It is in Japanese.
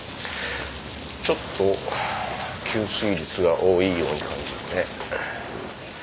ちょっと吸水率が多いように感じるね。